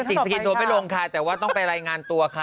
แม่จิกสิงค์ทัวร์ไม่ลงค่ะแต่ว่าต้องไปรายงานตัวค่ะ